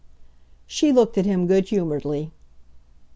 She looked at him good humouredly.